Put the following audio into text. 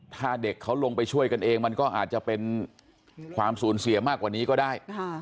ถ้าเด็กเขาลงไปช่วยกันเองมันก็อาจจะเป็นความสูญเสียมากกว่านี้ก็ได้